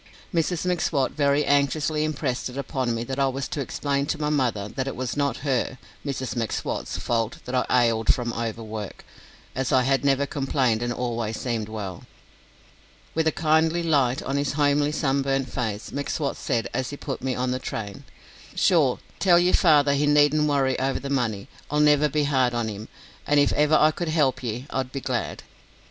Mrs M'Swat very anxiously impressed it upon me that I was to explain to my mother that it was not her (Mrs M'Swat's) fault that I "ailed" from overwork, as I had never complained and always seemed well. With a kindly light on his homely sunburnt face, M'Swat said, as he put me on the train: "Sure, tell yer father he needn't worry over the money. I'll never be hard on him, an' if ever I could help ye, I'd be glad."